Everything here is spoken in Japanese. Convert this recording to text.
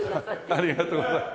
ありがとうございます。